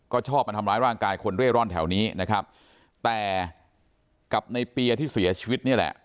ก็ชอบมาทำร้ายร่างกายคนเร่ร่อนแถวนี้นะครับแต่กับในเปียที่เสียชีวิตนี่แหละ